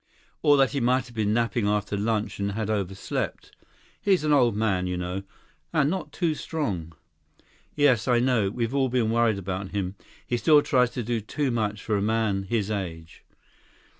Or that he might have been napping after lunch, and had overslept. He's an old man, you know. And not too strong." "Yes. I know. We've all been worried about him. He still tries to do too much for a man his age."